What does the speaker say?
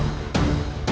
kehidupan kalian semua